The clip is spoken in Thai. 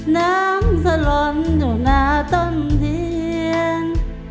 น้ำสะหร่อนอยู่หน้าต้นเทียง